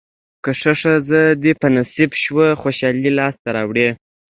که ښه ښځه دې په نصیب شوه خوشالۍ لاسته راوړې.